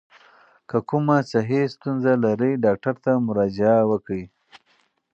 که کومه صحي ستونزه لرئ، ډاکټر ته مراجعه وکړئ.